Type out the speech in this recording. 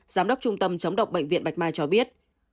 giám đốc trung tâm chống độc bệnh viện bạch mai cho biết